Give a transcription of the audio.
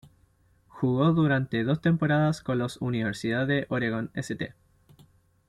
Jugó durante dos temporadas con los "Universidad de Oregon St.